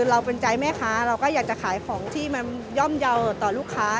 เราเป็นใจแม่ค้าเราก็อยากจะขายของที่มันย่อมเยาว์ต่อลูกค้า